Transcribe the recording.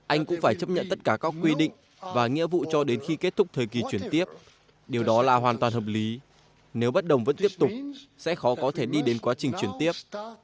anh cũng phải chấp nhận tất cả các quy định và nghĩa vụ cho đến khi kết thúc thời kỳ chuyển tiếp điều đó là hoàn toàn hợp lý nếu bất đồng vẫn tiếp tục sẽ khó có thể đi đến quá trình chuyển tiếp